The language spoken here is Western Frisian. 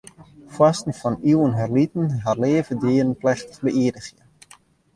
Foarsten fan iuwen her lieten har leave dieren plechtich beïerdigje.